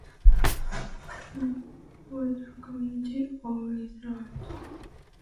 Randolph borders the community of East Randolph.